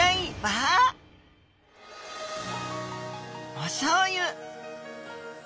おしょうゆ。